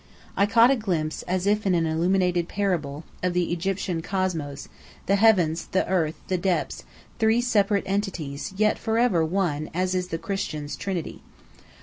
I caught a glimpse as if in an illuminated parable, of the Egyptian Cosmos, the Heavens, the Earth, the Depths, three separate entities, yet forever one as is the Christian's Trinity.